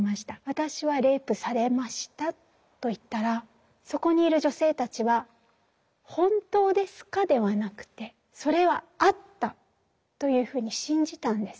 「私はレイプされました」と言ったらそこにいる女性たちは「本当ですか」ではなくて「それはあった」というふうに信じたんです。